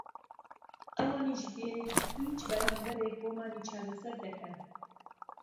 ئهوانیش بێ هیچ بهرامبهرێك بۆمانی چارهسهر دهكهن